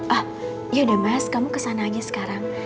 ah yaudah mas kamu kesana aja sekarang